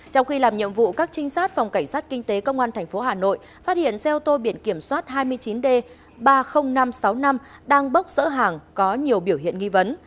trong khi làm nhiệm vụ các trinh sát phòng cảnh sát kinh tế công an tp hà nội phát hiện xe ô tô biển kiểm soát hai mươi chín d ba mươi nghìn năm trăm sáu mươi năm đang bốc rỡ hàng có nhiều biểu hiện nghi vấn